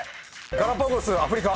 ガラパゴスアフリカ。